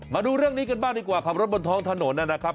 มาดูเรื่องนี้กันบ้างดีกว่าขับรถบนท้องถนนนะครับ